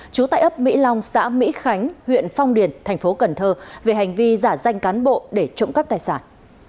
trú tại ấp mỹ long xã mỹ khánh huyện phong điền thành phố cần thơ về hành vi giả danh cán bộ để trộm cắp tài sản